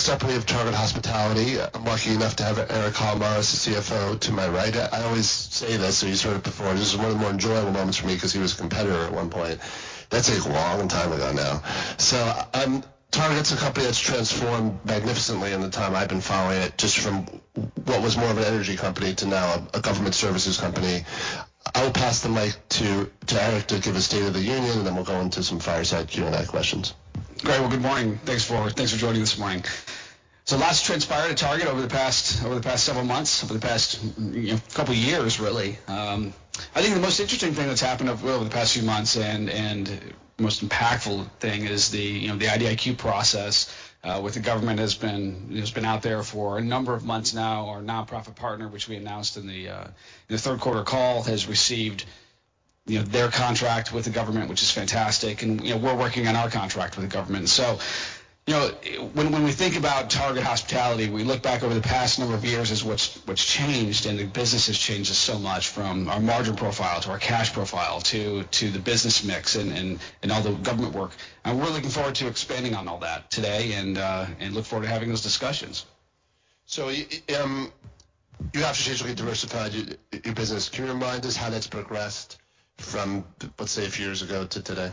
Next up, we have Target Hospitality. I'm lucky enough to have Eric Kalamaras, the CFO, to my right. I always say this, so you sort of heard it before. This is one of the more enjoyable moments for me because he was a competitor at one point. That's a long time ago now. So, Target's a company that's transformed magnificently in the time I've been following it, just from what was more of an energy company to now a government services company. I will pass the mic to Eric to give a State of the Union, and then we'll go into some fireside Q&A questions. Great. Well, good morning. Thanks, Lloyd. Thanks for joining this morning. So a lot's transpired at Target over the past, over the past several months, over the past, you know, couple of years, really. I think the most interesting thing that's happened over the past few months and, and most impactful thing is the, you know, the IDIQ process with the government has been. It's been out there for a number of months now. Our nonprofit partner, which we announced in the third quarter call, has received, you know, their contract with the government, which is fantastic. And, you know, we're working on our contract with the government. So, you know, when we think about Target Hospitality, we look back over the past number of years as what's changed, and the business has changed us so much, from our margin profile to our cash profile to the business mix and all the government work. We're looking forward to expanding on all that today and look forward to having those discussions. You've obviously diversified your business. Can you remind us how that's progressed from, let's say, a few years ago to today?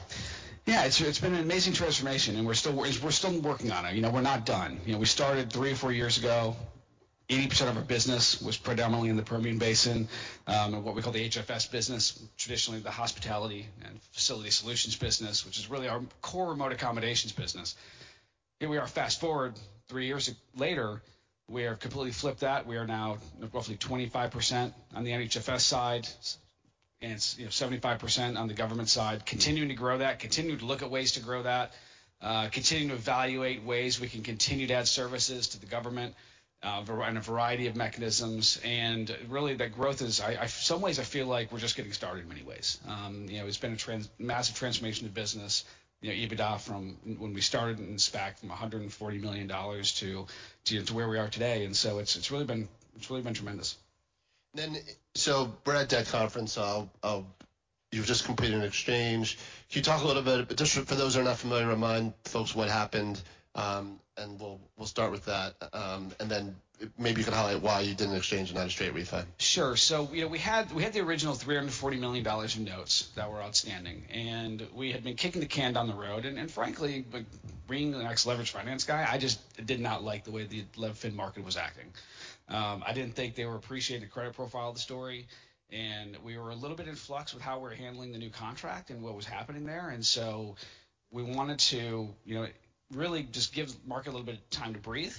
Yeah. It's, it's been an amazing transformation, and we're still-- we're still working on it. You know, we're not done. You know, we started three or four years ago, 80% of our business was predominantly in the Permian Basin, and what we call the HFS business, traditionally the hospitality and facility solutions business, which is really our core remote accommodations business. Here we are, fast-forward three years later, we have completely flipped that. We are now roughly 25% on the HFS side, and it's, you know, 75% on the government side. Continuing to grow that, continuing to look at ways to grow that, continuing to evaluate ways we can continue to add services to the government, in a variety of mechanisms. And really, the growth is... In some ways I feel like we're just getting started in many ways. You know, it's been a massive transformation of business, you know, EBITDA from when we started in SPAC, from $140 million to where we are today, and so it's really been tremendous. Then, so we're at that conference. You've just completed an exchange. Can you talk a little bit, just for those who are not familiar, remind folks what happened, and we'll start with that, and then maybe you can highlight why you did an exchange and not a straight refund. Sure. So, you know, we had the original $340 million in notes that were outstanding, and we had been kicking the can down the road. And frankly, like being the ex-leveraged finance guy, I just did not like the way the Lev Fin market was acting. I didn't think they were appreciating the credit profile of the story, and we were a little bit in flux with how we were handling the new contract and what was happening there. And so we wanted to, you know, really just give the market a little bit of time to breathe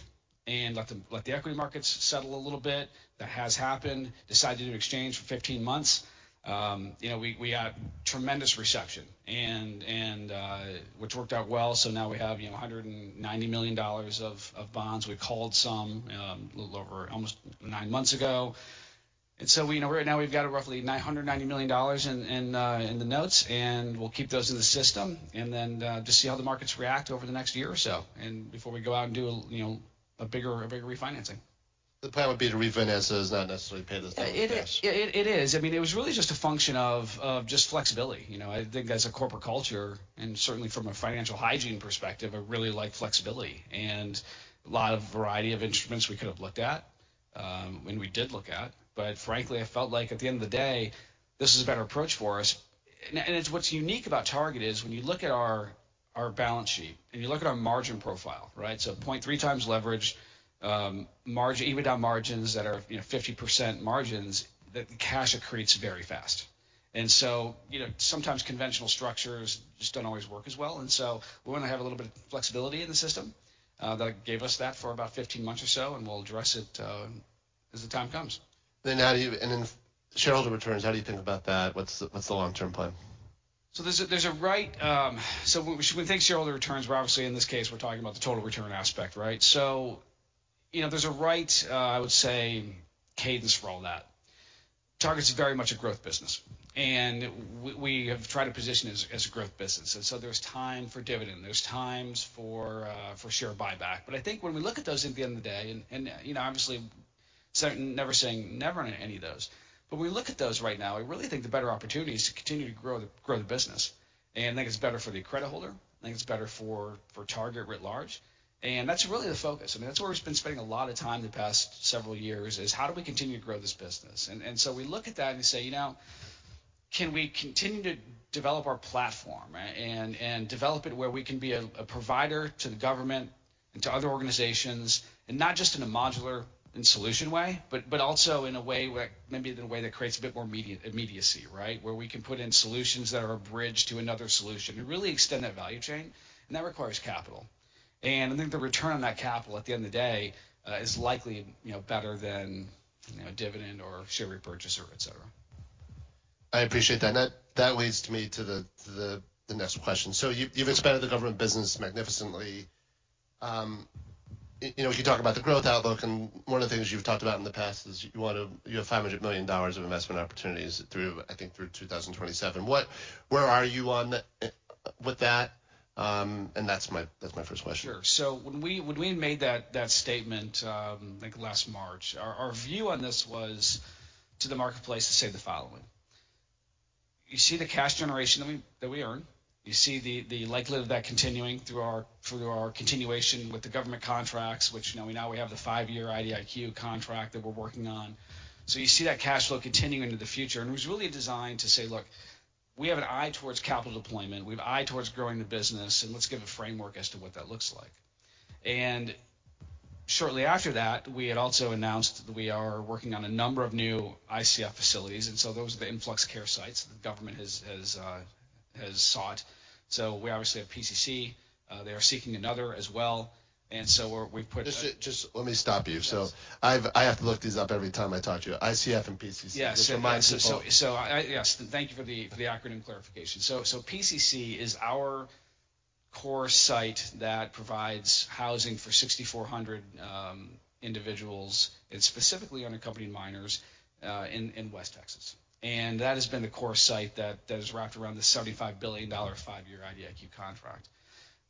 and let the equity markets settle a little bit. That has happened. Decided to do exchange for 15 months. You know, we had tremendous reception and... Which worked out well, so now we have, you know, $190 million of bonds. We called some a little over almost nine months ago. And so, you know, right now we've got roughly $990 million in the notes, and we'll keep those in the system and then just see how the markets react over the next year or so and before we go out and do, you know, a bigger refinancing. The plan would be to refinance this, not necessarily pay this down in cash. It is. I mean, it was really just a function of, of just flexibility. You know, I think as a corporate culture, and certainly from a financial hygiene perspective, I really like flexibility. And a lot of variety of instruments we could have looked at, and we did look at, but frankly, I felt like at the end of the day, this is a better approach for us. And, and it's what's unique about Target is when you look at our, our balance sheet and you look at our margin profile, right? So 0.3x leverage, margin, EBITDA margins that are, you know, 50% margins, the cash accretes very fast. And so, you know, sometimes conventional structures just don't always work as well, and so we want to have a little bit of flexibility in the system. That gave us that for about 15 months or so, and we'll address it as the time comes. Then, how do you... And then, shareholder returns, how do you think about that? What's the, what's the long-term plan? So when we think shareholder returns, we're obviously, in this case, we're talking about the total return aspect, right? So, you know, there's a right, I would say, cadence for all that. Target is very much a growth business, and we have tried to position it as a growth business. And so there's time for dividend, there's times for share buyback. But I think when we look at those at the end of the day, and you know, obviously, so never saying never on any of those, but when we look at those right now, I really think the better opportunity is to continue to grow the business. And I think it's better for the credit holder, I think it's better for Target writ large, and that's really the focus. I mean, that's where we've been spending a lot of time the past several years, is how do we continue to grow this business? And, and so we look at that and say, "You know, can we continue to develop our platform, right, and, and develop it where we can be a, a provider to the government and to other organizations, and not just in a modular and solution way, but, but also in a way where, maybe in a way that creates a bit more media immediacy, right? Where we can put in solutions that are a bridge to another solution and really extend that value chain, and that requires capital." And I think the return on that capital at the end of the day, is likely, you know, better than, you know, a dividend or share repurchase or et cetera. I appreciate that. That leads me to the next question. So you've expanded the government business magnificently. You know, if you talk about the growth outlook, and one of the things you've talked about in the past is you want to—you have $500 million of investment opportunities through, I think through 2027. What—Where are you on that with that? And that's my first question. Sure. So when we made that statement, I think last March, our view on this was to the marketplace to say the following: You see the cash generation that we earn. You see the likelihood of that continuing through our continuation with the government contracts, which, you know, we now have the five-year IDIQ contract that we're working on. So you see that cash flow continuing into the future, and it was really designed to say, "Look, we have an eye towards capital deployment. We have an eye towards growing the business, and let's give a framework as to what that looks like." And shortly after that, we had also announced that we are working on a number of new ICF facilities, and so those are the influx care sites the government has sought. We obviously have PCC. They are seeking another as well, and so we've put- Just, just let me stop you. Yes. So I have to look these up every time I talk to you. ICF and PCC. Yes. Just remind people. Yes, thank you for the acronym clarification. So, PCC is our core site that provides housing for 6,400 individuals, and specifically unaccompanied minors, in West Texas. And that has been the core site that has wrapped around the $75 billion five-year IDIQ contract.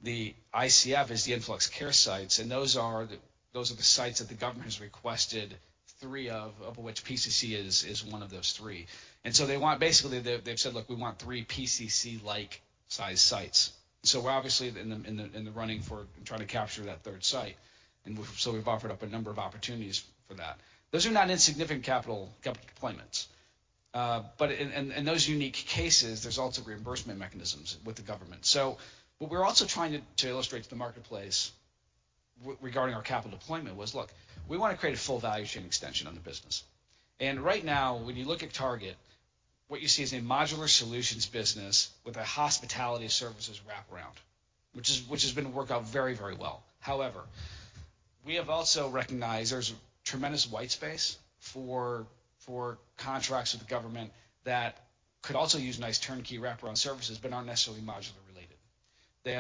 The ICF is the influx care sites, and those are the sites that the government has requested three of, of which PCC is one of those three. And so they want. Basically, they've said, "Look, we want three PCC-like size sites." So we're obviously in the running for trying to capture that third site, and we've. So we've offered up a number of opportunities for that. Those are not insignificant capital deployments. But in those unique cases, there's also reimbursement mechanisms with the government. So what we're also trying to illustrate to the marketplace regarding our capital deployment was, look, we want to create a full value chain extension on the business. And right now, when you look at Target, what you see is a modular solutions business with a hospitality services wraparound, which has been working out very, very well. However, we have also recognized there's tremendous white space for contracts with the government that could also use nice turnkey wraparound services, but aren't necessarily modular related.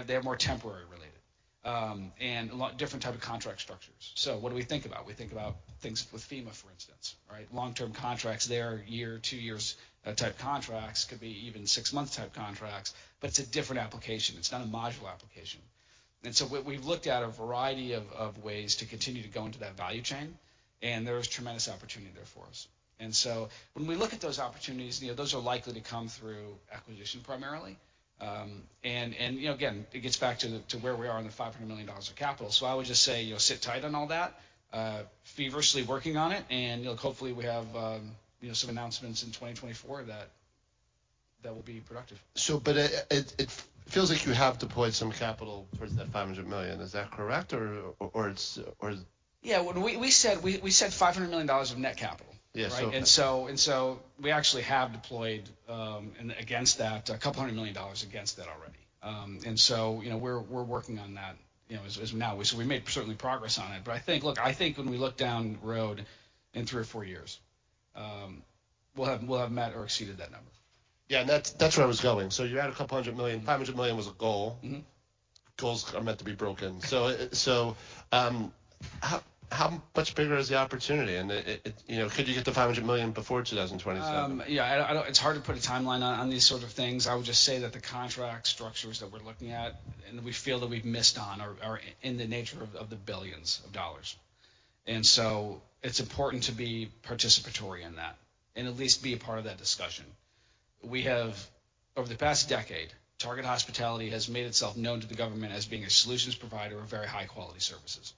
They are more temporary related, and a lot different type of contract structures. So what do we think about? We think about things with FEMA, for instance, right? Long-term contracts, they are year, two years type contracts, could be even 6-month type contracts, but it's a different application. It's not a modular application. And so what we've looked at a variety of ways to continue to go into that value chain, and there is tremendous opportunity there for us. And so when we look at those opportunities, you know, those are likely to come through acquisition primarily. And, you know, again, it gets back to where we are in the $500 million of capital. So I would just say, you know, sit tight on all that, feverishly working on it, and, you know, hopefully, we have some announcements in 2024 that will be productive. But it feels like you have deployed some capital towards that $500 million. Is that correct, or it's or- Yeah, when we said $500 million of net capital. Yes, okay. So we actually have deployed against that $200 million against that already. You know, we're working on that, you know, as now. So we made certainly progress on it, but I think... Look, I think when we look down the road in three or four years, we'll have met or exceeded that number. Yeah, and that's, that's where I was going. So you had $200 million. $500 million was a goal. Mm-hmm. Goals are meant to be broken. So, how much bigger is the opportunity? And, you know, could you get to $500 million before 2027? Yeah, I don't. It's hard to put a timeline on these sort of things. I would just say that the contract structures that we're looking at, and we feel that we've missed on, are in the nature of the billions of dollars. And so it's important to be participatory in that and at least be a part of that discussion. We have. Over the past decade, Target Hospitality has made itself known to the government as being a solutions provider of very high-quality services.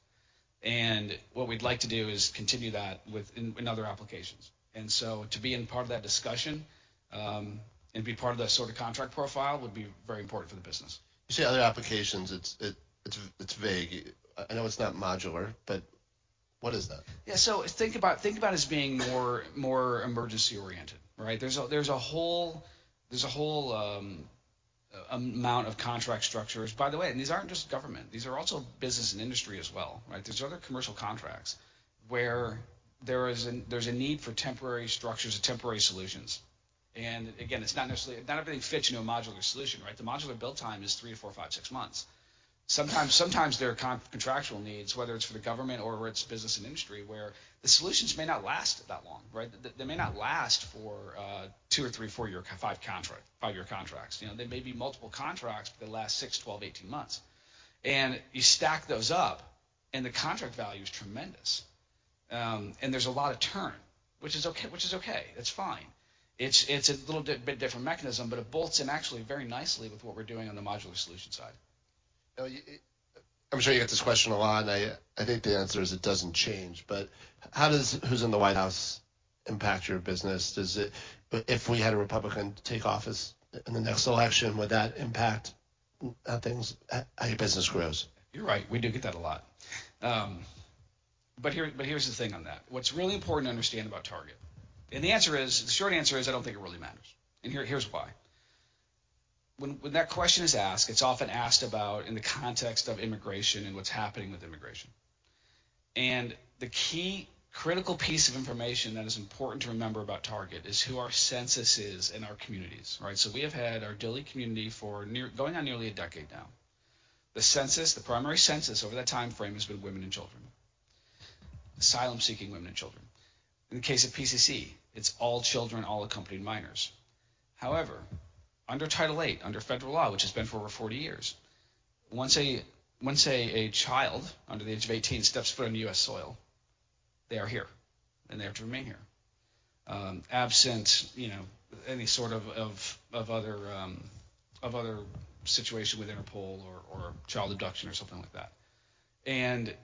And what we'd like to do is continue that with in other applications. And so to be in part of that discussion, and be part of that sort of contract profile would be very important for the business. You say other applications, it's vague. I know it's not modular, but what is that? Yeah, so think about, think about it as being more, more emergency-oriented, right? There's a whole amount of contract structures. By the way, and these aren't just government, these are also business and industry as well, right? There's other commercial contracts where there is a need for temporary structures or temporary solutions, and again, it's not necessarily, not everything fits into a modular solution, right? The modular build time is three or four, five, six months. Sometimes, sometimes there are contractual needs, whether it's for the government or whether it's business and industry, where the solutions may not last that long, right? They may not last for two or three, four year, five contract, five-year contracts. You know, they may be multiple contracts, but they last six, 12, 18 months. You stack those up, and the contract value is tremendous. And there's a lot of turn, which is okay, which is okay. It's fine. It's a little bit different mechanism, but it bolts in actually very nicely with what we're doing on the modular solution side. Now, you... I'm sure you get this question a lot, and I think the answer is it doesn't change, but how does who's in the White House impact your business? Does it, if we had a Republican take office in the next election, would that impact how things, how your business grows? You're right, we do get that a lot. But here's the thing on that. What's really important to understand about Target, and the answer is, the short answer is, I don't think it really matters, and here's why. When that question is asked, it's often asked about in the context of immigration and what's happening with immigration. The key critical piece of information that is important to remember about Target is who our census is in our communities, right? So we have had our Dilley community for going on nearly a decade now. The census, the primary census over that timeframe has been women and children, asylum-seeking women and children. In the case of PCC, it's all children, all accompanied minors. However, under Title 8, under federal law, which has been for over 40 years, once a child under the age of 18 steps foot on U.S. soil, they are here, and they have to remain here, absent, you know, any sort of other situation with Interpol or child abduction or something like that. And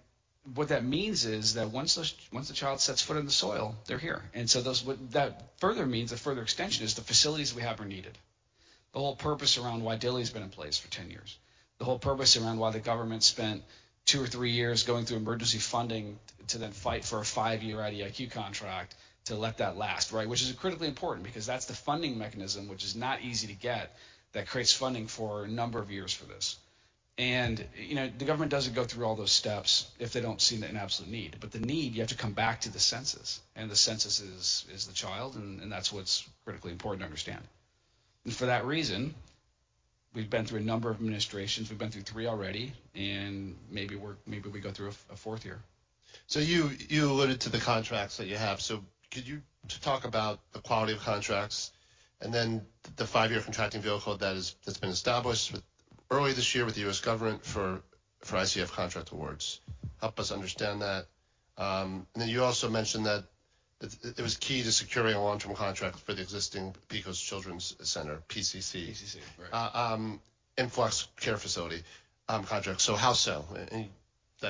what that means is that once the child sets foot on the soil, they're here. And so that further means the facilities we have are needed. The whole purpose around why Dilley's been in place for 10 years, the whole purpose around why the government spent two or three years going through emergency funding to then fight for a five-year IDIQ contract to let that last, right? Which is critically important, because that's the funding mechanism, which is not easy to get, that creates funding for a number of years for this. And, you know, the government doesn't go through all those steps if they don't see an absolute need. But the need, you have to come back to the census, and the census is, is the child, and, and that's what's critically important to understand. And for that reason, we've been through a number of administrations. We've been through three already, and maybe we're, maybe we go through a, a fourth here. So you, you alluded to the contracts that you have. So could you just talk about the quality of contracts and then the five-year contracting vehicle that is... That's been established with, early this year with the U.S. government for, for ICF contract awards? Help us understand that. And then you also mentioned that it, it was key to securing a long-term contract for the existing Pecos Children's Center, PCC- PCC, right. Influx Care Facility contract. So how so?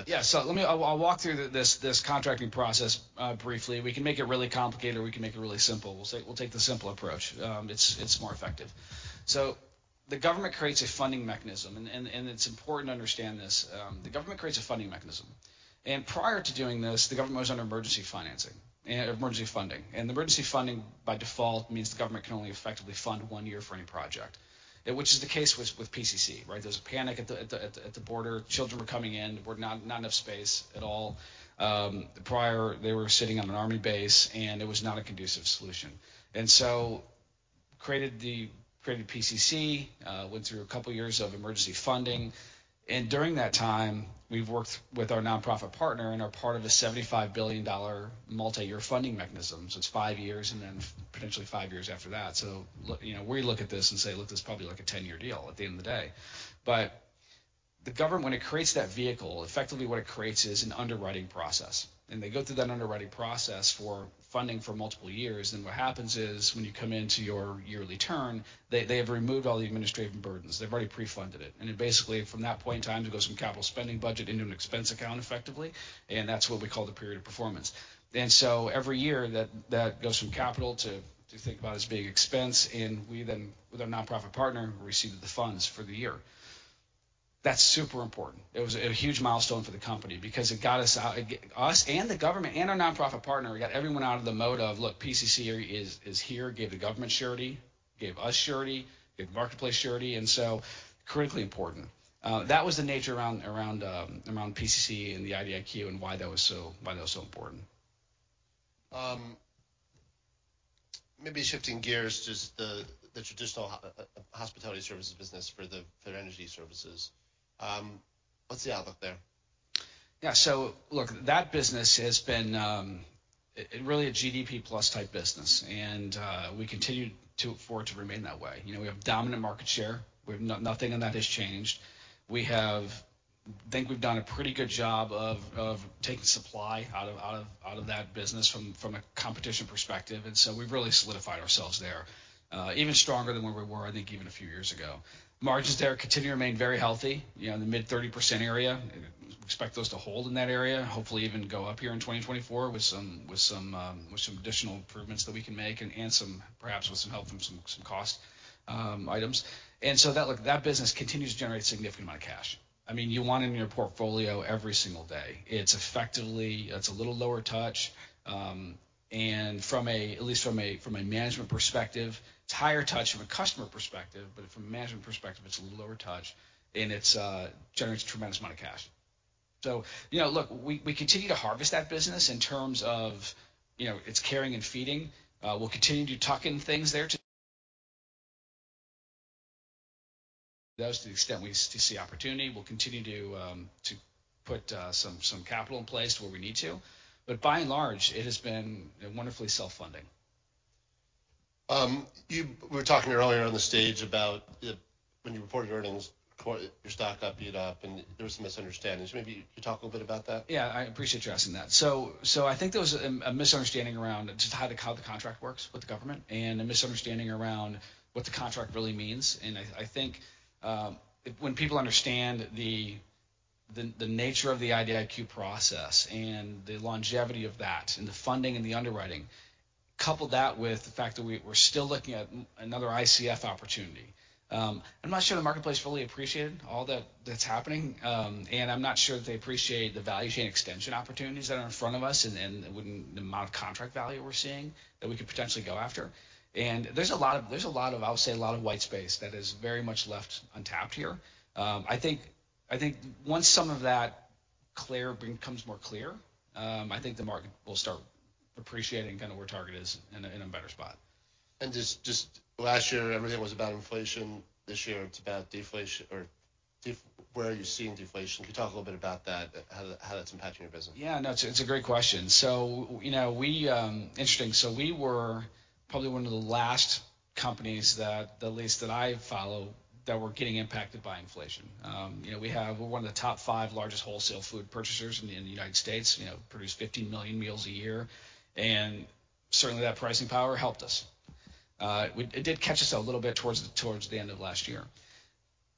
Yeah, so let me... I'll, I'll walk through this contracting process briefly. We can make it really complicated, or we can make it really simple. We'll take, we'll take the simple approach. It's, it's more effective. So the government creates a funding mechanism, and it's important to understand this. The government creates a funding mechanism, and prior to doing this, the government was under emergency financing and emergency funding. And emergency funding, by default, means the government can only effectively fund one year for any project, which is the case with PCC, right? There was a panic at the border. Children were coming in, were not enough space at all. Prior, they were sitting on an Army base, and it was not a conducive solution. And so created the... created PCC, went through a couple of years of emergency funding, and during that time, we've worked with our nonprofit partner and are part of a $75 billion multiyear funding mechanism. So it's five years and then potentially five years after that. So you know, we look at this and say, "Look, this is probably like a 10-year deal at the end of the day." But the government, when it creates that vehicle, effectively what it creates is an underwriting process, and they go through that underwriting process for funding for multiple years. Then what happens is, when you come into your yearly term, they have removed all the administrative burdens. They've already pre-funded it, and it basically, from that point in time, it goes from capital spending budget into an expense account effectively, and that's what we call the period of performance. And so every year, that goes from capital to think about as being expense, and we then, with our nonprofit partner, received the funds for the year. That's super important. It was a huge milestone for the company because it got us out, got us and the government and our nonprofit partner, we got everyone out of the mode of, "Look, PCC is here." Gave the government surety, gave us surety, gave the marketplace surety, and so critically important. That was the nature around PCC and the IDIQ and why that was so important. Maybe shifting gears, just the traditional hospitality services business for energy services. What's the outlook there? Yeah, so look, that business has been really a GDP plus type business, and we continue to afford to remain that way. You know, we have dominant market share, where nothing in that has changed. We have... I think we've done a pretty good job of taking supply out of that business from a competition perspective, and so we've really solidified ourselves there, even stronger than where we were, I think, even a few years ago. Margins there continue to remain very healthy, you know, in the mid-30% area. We expect those to hold in that area, hopefully even go up here in 2024 with some additional improvements that we can make and some... perhaps with some help from some cost items. Look, that business continues to generate a significant amount of cash. I mean, you want it in your portfolio every single day. It's effectively a little lower touch, and from a, at least from a, from a management perspective, it's higher touch from a customer perspective, but from a management perspective, it's a little lower touch, and it generates a tremendous amount of cash. So you know, look, we continue to harvest that business in terms of, you know, its caring and feeding. We'll continue to tuck in things there to the extent we see opportunity. We'll continue to put some capital in place where we need to. But by and large, it has been wonderfully self-funding. You were talking earlier on the stage about the... When you reported earnings, your stock got beat up, and there was some misunderstandings. Maybe you could talk a little bit about that? Yeah, I appreciate you asking that. So I think there was a misunderstanding around just how the contract works with the government and a misunderstanding around what the contract really means. And I think when people understand the nature of the IDIQ process and the longevity of that and the funding and the underwriting, couple that with the fact that we're still looking at another ICF opportunity. I'm not sure the marketplace fully appreciated all that's happening, and I'm not sure that they appreciate the value chain extension opportunities that are in front of us and with the amount of contract value we're seeing that we could potentially go after. And there's a lot of, there's a lot of, I would say, a lot of white space that is very much left untapped here. I think, I think once some of that clear becomes more clear, I think the market will start appreciating kind of where Target is in a, in a better spot. And just last year, everything was about inflation. This year, it's about deflation. Where are you seeing deflation? Can you talk a little bit about that, how that's impacting your business? Yeah, no, it's a great question. So you know, interesting, so we were probably one of the last companies that, at least that I follow, that were getting impacted by inflation. You know, we have, we're one of the top five largest wholesale food purchasers in the United States. You know, produce 15 million meals a year, and certainly, that pricing power helped us. We, it did catch us a little bit towards the end of last year.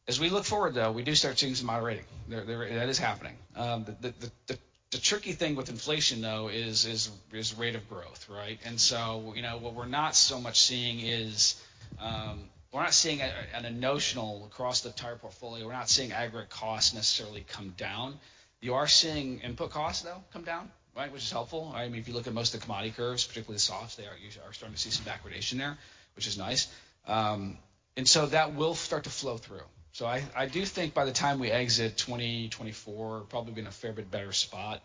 As we look forward, though, we do start seeing some moderating. That is happening. The tricky thing with inflation, though, is rate of growth, right? And so, you know, what we're not so much seeing is, we're not seeing a notional across the entire portfolio. We're not seeing aggregate costs necessarily come down. You are seeing input costs, though, come down, right? Which is helpful. I mean, if you look at most of the commodity curves, particularly the softs, they are starting to see some backwardation there, which is nice. And so that will start to flow through. So I do think by the time we exit 2024, probably be in a fair bit better spot.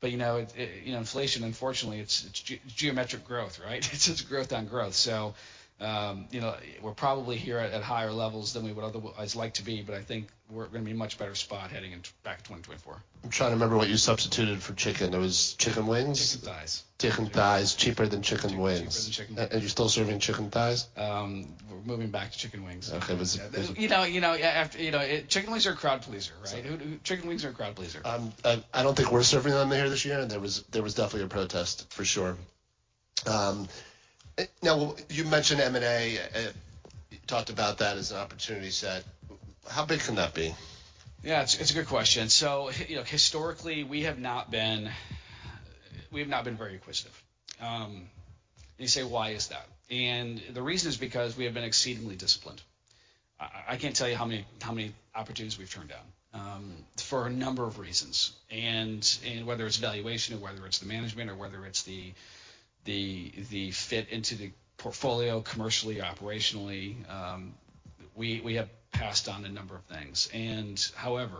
But, you know, it, you know, inflation, unfortunately, it's geometric growth, right? It's just growth on growth. So, you know, we're probably here at higher levels than we would otherwise like to be, but I think we're gonna be in a much better spot heading into back to 2024. I'm trying to remember what you substituted for chicken. It was chicken wings? Chicken thighs. Chicken thighs. Cheaper than chicken wings. Cheaper than chicken wings. Are you still serving chicken thighs? We're moving back to chicken wings. Okay, but is- You know, you know, yeah, after... You know, it... Chicken wings are a crowd pleaser, right? Who, who... Chicken wings are a crowd pleaser. I don't think we're serving them here this year, and there was definitely a protest, for sure. Now, you mentioned M&A. You talked about that as an opportunity set. How big can that be? Yeah, it's a good question. So, you know, historically, we have not been... We have not been very acquisitive. You say: Why is that? And the reason is because we have been exceedingly disciplined. I can't tell you how many opportunities we've turned down, for a number of reasons. And whether it's valuation or whether it's the management or whether it's the fit into the portfolio, commercially, operationally, we have passed on a number of things. And however,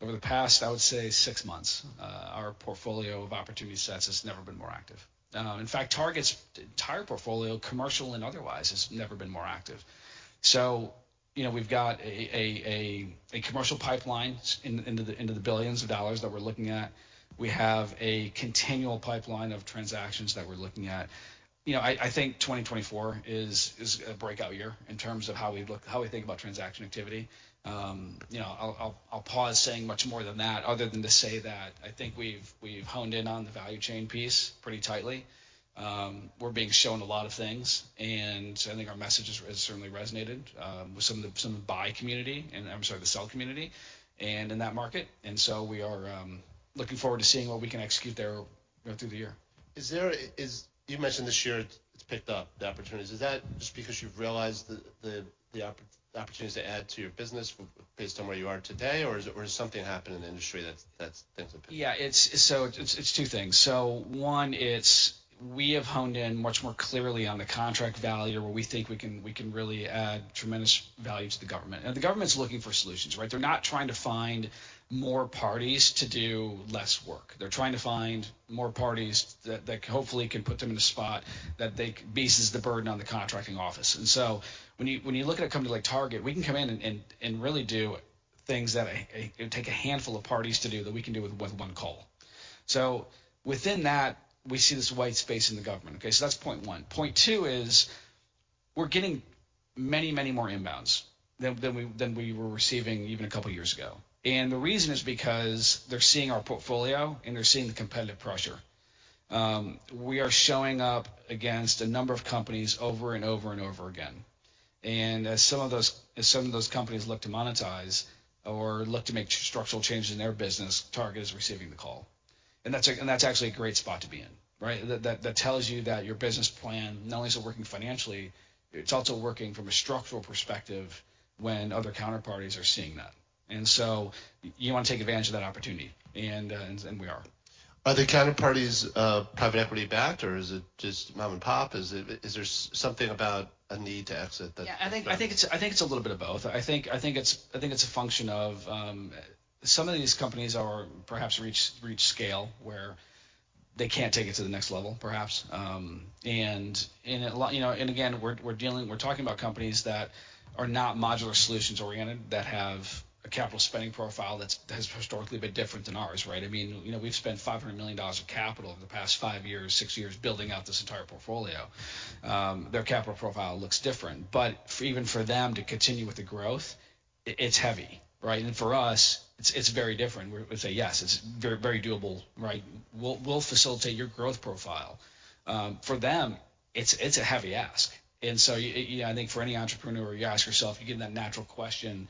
over the past, I would say six months, our portfolio of opportunity sets has never been more active. In fact, Target's entire portfolio, commercial and otherwise, has never been more active. So, you know, we've got a commercial pipeline into the billions dollars that we're looking at. We have a continual pipeline of transactions that we're looking at. You know, I think 2024 is a breakout year in terms of how we look, how we think about transaction activity. You know, I'll pause saying much more than that, other than to say that I think we've honed in on the value chain piece pretty tightly. We're being shown a lot of things, and I think our message has certainly resonated with some of the buy community, and I'm sorry, the sell community and in that market. And so we are looking forward to seeing what we can execute there, you know, through the year. You've mentioned this year, it's picked up, the opportunities. Is that just because you've realized the opportunities to add to your business based on where you are today, or has something happened in the industry that's things have picked up? Yeah, it's two things. So one, we have honed in much more clearly on the contract value where we think we can really add tremendous value to the government, and the government's looking for solutions, right? They're not trying to find more parties to do less work. They're trying to find more parties that hopefully can put them in a spot that eases the burden on the contracting office. And so when you look at a company like Target, we can come in and really do things that it'd take a handful of parties to do, that we can do with one call. So within that, we see this white space in the government. Okay, so that's point one. Point two is, we're getting many, many more inbounds than we were receiving even a couple of years ago. And the reason is because they're seeing our portfolio, and they're seeing the competitive pressure. We are showing up against a number of companies over and over and over again. And as some of those companies look to monetize or look to make structural changes in their business, Target is receiving the call. And that's actually a great spot to be in, right? That tells you that your business plan not only is it working financially, it's also working from a structural perspective when other counterparties are seeing that. And so you want to take advantage of that opportunity, and we are. Are the counterparties, private equity backed, or is it just mom and pop? Is it... Is there something about a need to exit that- Yeah, I think it's a little bit of both. I think it's a function of some of these companies are perhaps reached, reached scale, where they can't take it to the next level, perhaps. And a lot. You know, and again, we're dealing, we're talking about companies that are not modular solutions-oriented, that have a capital spending profile that's, that has historically been different than ours, right? I mean, you know, we've spent $500 million of capital in the past five years, six years, building out this entire portfolio. Their capital profile looks different, but for even for them to continue with the growth, it's heavy, right? And for us, it's very different. We say, yes, it's very, very doable, right? We'll facilitate your growth profile. For them, it's a heavy ask. And so I think for any entrepreneur, you ask yourself, you get that natural question,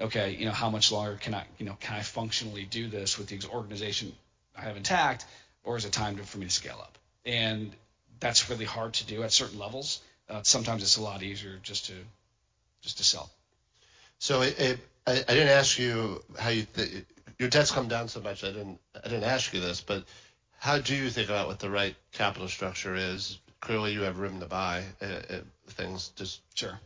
okay, you know, how much longer can I, you know, can I functionally do this with the organization I have intact, or is it time for me to scale up? And that's really hard to do at certain levels. Sometimes it's a lot easier just to sell. I didn't ask you how you think your debt's come down so much. I didn't ask you this, but how do you think about what the right capital structure is? Clearly, you have room to buy things. Just- Sure.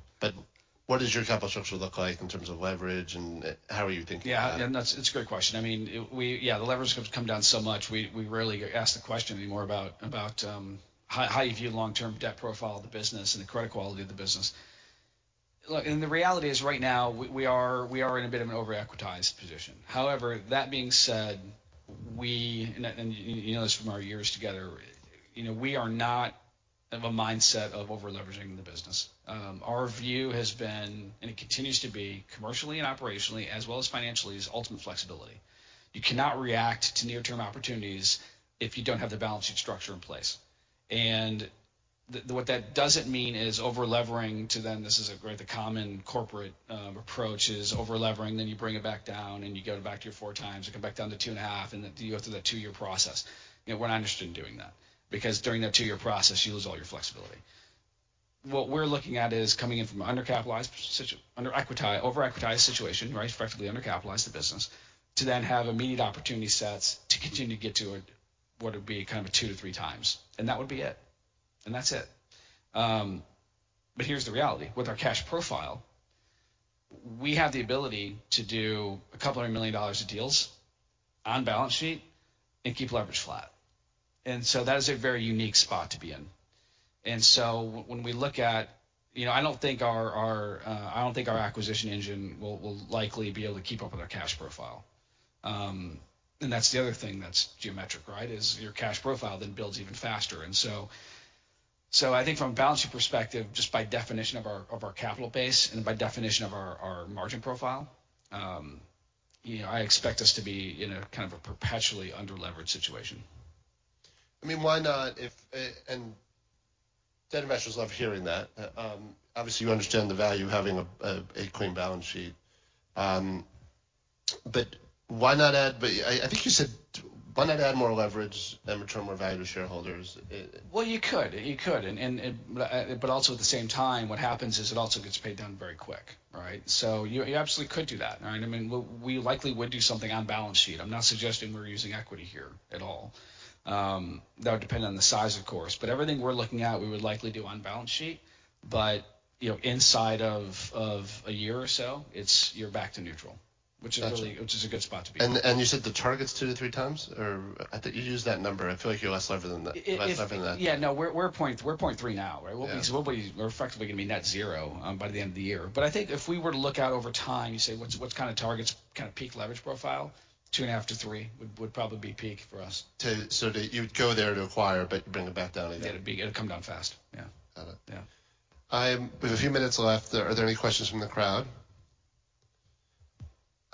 What does your capital structure look like in terms of leverage, and how are you thinking about it? Yeah, and that's, it's a great question. I mean, we... Yeah, the leverage has come down so much, we rarely get asked the question anymore about how you view long-term debt profile of the business and the credit quality of the business. Look, and the reality is, right now we are in a bit of an over-equitized position. However, that being said, you know this from our years together, you know, we are not of a mindset of over-leveraging. Our view has been, and it continues to be, commercially and operationally, as well as financially, is ultimate flexibility. You cannot react to near-term opportunities if you don't have the balance sheet structure in place. What that doesn't mean is over-leveraging to then this is a great, the common corporate approach is over-leveraging, then you bring it back down, and you go back to your 4x, you come back down to 2.5x, and then you go through that two-year process. You know, we're not interested in doing that because during that two-year process, you lose all your flexibility. What we're looking at is coming in from an undercapitalized position, over-equitized situation, right? Effectively undercapitalized the business, to then have immediate opportunity sets to continue to get to a, what would be kind of a 2x-3x. And that would be it. And that's it. But here's the reality. With our cash profile, we have the ability to do $200 million of deals on balance sheet and keep leverage flat. And so that is a very unique spot to be in. And so when we look at... You know, I don't think our, our, I don't think our acquisition engine will, will likely be able to keep up with our cash profile. And that's the other thing that's geometric, right? Is your cash profile then builds even faster. And so, so I think from a balance sheet perspective, just by definition of our, of our capital base and by definition of our, our margin profile, you know, I expect us to be in a kind of a perpetually under-leveraged situation. I mean, why not if... Debt investors love hearing that. Obviously, you understand the value of having a clean balance sheet. But why not add...? But I think you said, why not add more leverage and return more value to shareholders? Well, you could. You could, and but also at the same time, what happens is it also gets paid down very quick, right? So you absolutely could do that, right? I mean, we likely would do something on balance sheet. I'm not suggesting we're using equity here at all. That would depend on the size, of course, but everything we're looking at, we would likely do on balance sheet. But you know, inside of a year or so, it's you're back to neutral- Got you. which is really a good spot to be. You said the Target's 2-3 times, or I think you used that number. I feel like you're less levered than that, less levered than that. Yeah, no, we're 0.3 now, right? Yeah. We're effectively gonna be net zero by the end of the year. But I think if we were to look out over time, you say, what's kind of Target's kind of peak leverage profile? 2.5-3 would probably be peak for us. So that you'd go there to acquire, but you bring it back down again. It'd come down fast. Yeah. Got it. Yeah. We have a few minutes left. Are there any questions from the crowd?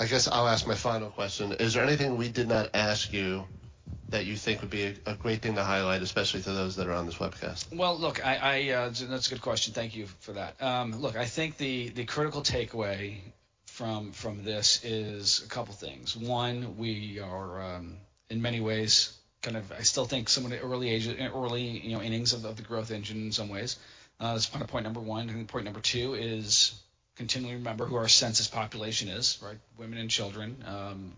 I guess I'll ask my final question. Is there anything we did not ask you, that you think would be a great thing to highlight, especially for those that are on this webcast? Well, look. That's a good question. Thank you for that. Look, I think the critical takeaway from this is a couple things. One, we are in many ways kind of. I still think some of the early innings of the growth engine in some ways. That's point number one, and then point number two is continually remember who our census population is, right? Women and children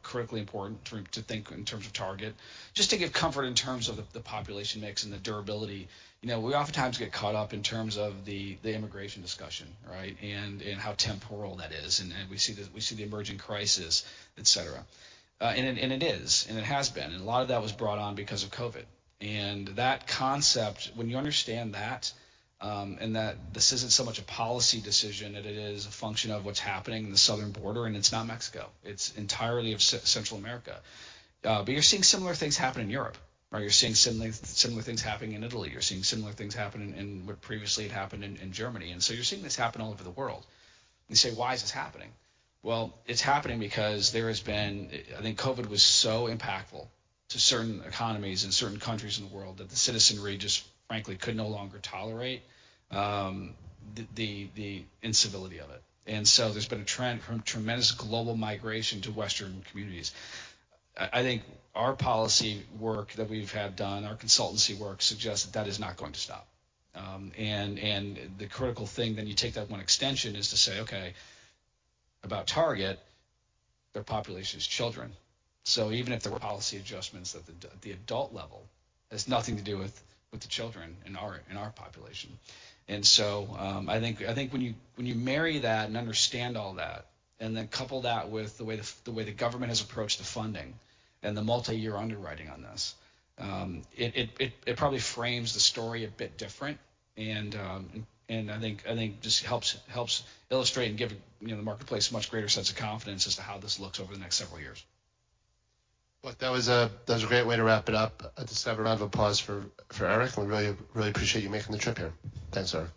critically important to think in terms of target. Just to give comfort in terms of the population mix and the durability, you know. We oftentimes get caught up in terms of the immigration discussion, right? And how temporal that is, and we see the emerging crisis, et cetera. And it has been, and a lot of that was brought on because of COVID. That concept, when you understand that, and that this isn't so much a policy decision, that it is a function of what's happening in the southern border, and it's not Mexico. It's entirely of Central America. But you're seeing similar things happen in Europe, or you're seeing similar things happening in Italy. You're seeing similar things happening in what previously had happened in Germany. And so you're seeing this happen all over the world. You say, "Why is this happening?" Well, it's happening because there has been... I think COVID was so impactful to certain economies and certain countries in the world, that the citizenry just frankly could no longer tolerate the incivility of it. There's been a trend from tremendous global migration to Western communities. I think our policy work that we've had done, our consultancy work, suggests that that is not going to stop. The critical thing, then you take that one extension, is to say, okay, about Target, their population is children. So even if there were policy adjustments at the adult level, it's nothing to do with the children in our population. I think when you marry that and understand all that, and then couple that with the way the government has approached the funding and the multi-year underwriting on this, it probably frames the story a bit different. I think just helps illustrate and give, you know, the marketplace a much greater sense of confidence as to how this looks over the next several years. Well, that was a great way to wrap it up. Let's have a round of applause for Eric. We really, really appreciate you making the trip here. Thanks, Eric.